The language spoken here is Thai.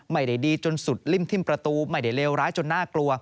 ไม่ได้ดีจนสุดริ่มทิ้มประตูไม่ได้เลวร้ายจนน่ากลัว